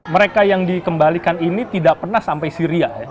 mereka yang dikembalikan ini tidak pernah sampai syria ya